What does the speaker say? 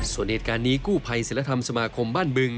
ส่วนเหตุการณ์นี้กู้ภัยศิลธรรมสมาคมบ้านบึง